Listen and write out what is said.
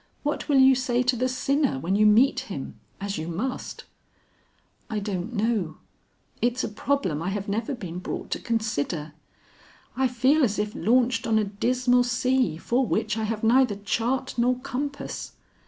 What will you say to the sinner when you meet him as you must?" "I don't know; it's a problem I have never been brought to consider. I feel as if launched on a dismal sea for which I have neither chart nor compass.